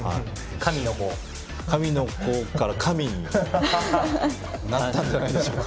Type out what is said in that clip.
神の子から神になったんじゃないでしょうか。